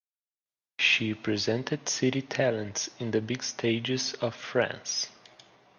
She presented city talents in the big stages of France.